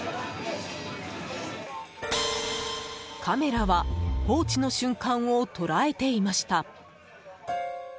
カメラは放置の瞬間を捉えていました。